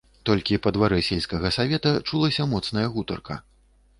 Толькi па дварэ сельскага савета чулася моцная гутарка...